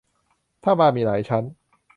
ถ้าบ้านมีหลายชั้น